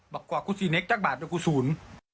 บะกรอกกูสี่เน็กถ้าบาดเราก็สูญ